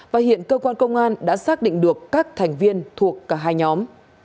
và hiện cơ quan công an đã xác định được các thành viên thuộc cả hai nhóm